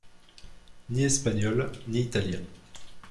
Ni espagnol, ni italien.